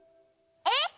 えっ？